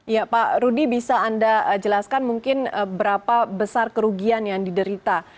ya pak rudy bisa anda jelaskan mungkin berapa besar kerugian yang diderita